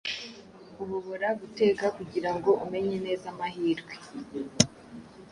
uhobora guteka kugirango umenye neza amahirwe